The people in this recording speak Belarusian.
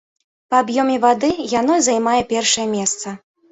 Па аб'ёме вады яно займае першае месца.